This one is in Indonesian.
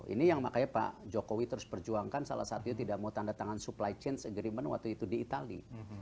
ini yang makanya pak jokowi terus perjuangkan salah satunya tidak mau tanda tangan supply chain agreement waktu itu di itali